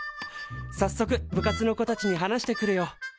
さっそく部活の子たちに話してくるよ。